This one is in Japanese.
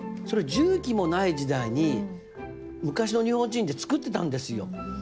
それ重機もない時代に昔の日本人って造ってたんですよ。